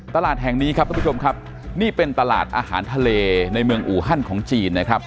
ตลาดแห่งนี้ครับทุกผู้ชมครับนี่เป็นตลาดอาหารทะเลในเมืองอูฮันของจีนนะครับ